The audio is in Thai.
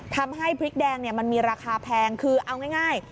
ทำให้พริกแดงมันมีราคาแพงคือเอาง่าย